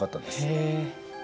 へえ！